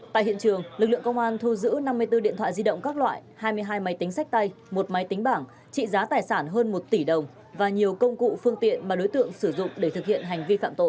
tại hiện trường lực lượng công an thu giữ năm mươi bốn điện thoại di động các loại hai mươi hai máy tính sách tay một máy tính bảng trị giá tài sản hơn một tỷ đồng và nhiều công cụ phương tiện mà đối tượng sử dụng để thực hiện hành vi phạm tội